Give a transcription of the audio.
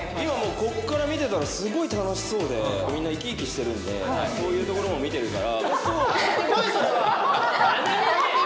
ここから見てたら、すごい楽しそうで、みんな生き生きしてるんで、そういうところも見てるから。